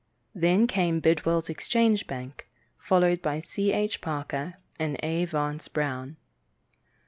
Then came Bidwell's Exchange Bank, followed by C. H. Parker and A. Vance Brown.